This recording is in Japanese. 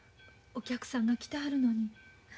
お客さんが来てはるのに。